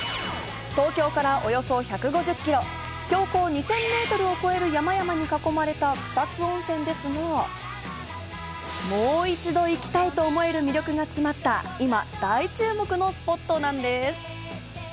東京からおよそ１５０ｋｍ、標高２０００ｍを超える山々に囲まれた草津温泉ですが、もう一度行きたいと思える魅力が詰まった今、大注目のスポットなんです。